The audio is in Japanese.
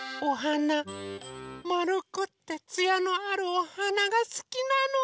まるくってつやのあるおはながすきなの。